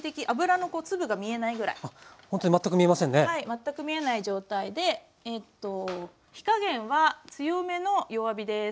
全く見えない状態で火加減は強めの弱火です。